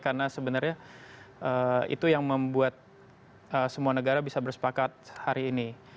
karena sebenarnya itu yang membuat semua negara bisa bersepakat hari ini